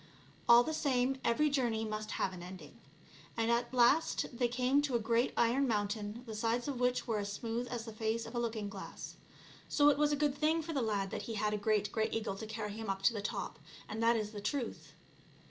All the same, every journey must have an ending. And at last they came to a great iron mountain the sides of which were as smooth as the face of a looking glass ; so it was a good thing for the lad that he had a great grey eagle to carry him up to the top, and that is the truth.